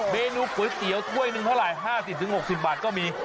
เมนูก๋วยเตี๋ยวถ้วยหนึ่งเท่าไหร่๕๐๖๐บาทก็มี